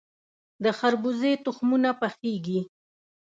د خربوزې تخمونه پخیږي.